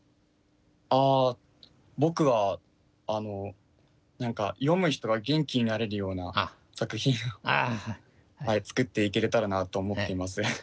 ああ僕はあの何か読む人が元気になれるような作品を作っていけれたらなと思っています。